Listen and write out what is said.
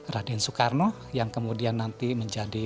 raden soekarno yang kemudian nanti menjadi